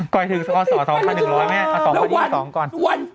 ก่อยถึงสอบค่ะหนึ่งรวมไหมเอาต่อไปดีสองก่อน